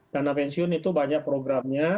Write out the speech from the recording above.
dana pensiun itu banyak programnya